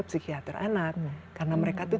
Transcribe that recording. psikiater anak karena mereka tuh